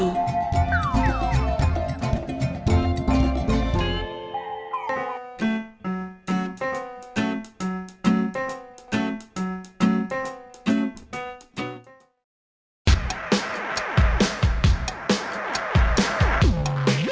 ท่วิสัยงลค